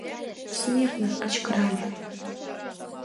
— Смирно! — кычкырале.